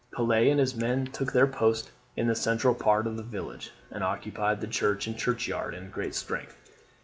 Pelet and his men took their post in the central part of the village, and occupied the church and churchyard in great strength.